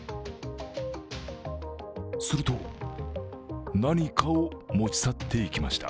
すると何かを持ち去っていきました。